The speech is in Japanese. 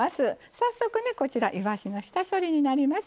早速ねこちらいわしの下処理になります。